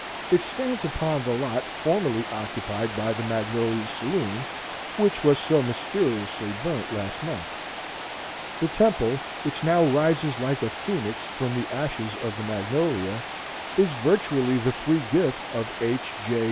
It stands upon the lot formerly occupied by the Magnolia Saloon, which was so mysteriously burnt last month. The temple, which now rises like a Phoenix from the ashes of the Magnolia, is virtually the free gift of H. J.